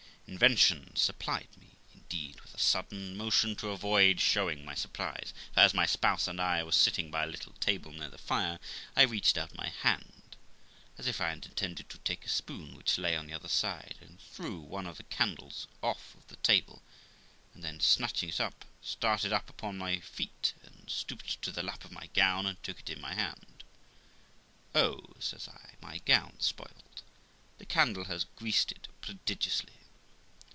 Invention supplied me, indeed, with a sudden motion to avoid showing my surprise ; for as ray spouse and I was sitting by a little table near the fire, I reached out my hand, as if I had intended to take a spoon which lay on the other side, and threw one of the candles off of the table; and then snatching it up, started up upon my feet, and stooped to the lap of my gown and took it in my hand. ' Oh !' says I, ' my gown's spoiled; the candle has greased it prodigiously.'